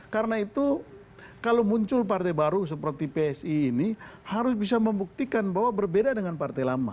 karena itu kalau muncul partai baru seperti psi ini harus bisa membuktikan bahwa berbeda dengan partai lama